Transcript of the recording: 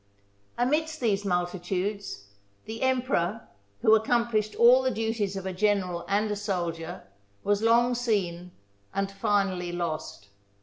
Amidst these multitudes the emperor, who accomplished all the duties of a general and a soldier, was long seen and finally lost.